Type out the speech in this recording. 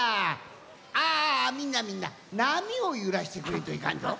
ああみんなみんななみをゆらしてくれんといかんぞ。